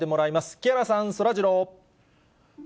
木原さん、そらジロー。